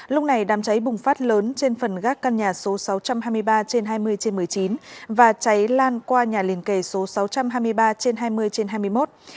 lúc này đám cháy bùng phát lớn trên phần gác căn nhà số sáu trăm hai mươi ba trên hai mươi trên một mươi chín và cháy lan qua nhà liền kề số sáu trăm hai mươi ba trên hai mươi trên hai mươi một